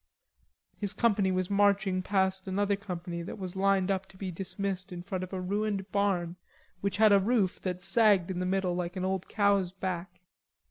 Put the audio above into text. His company was marching past another company that was lined up to be dismissed in front of a ruined barn which had a roof that sagged in the middle like an old cow's back.